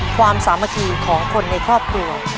ความสามารถของคนในครอบครัว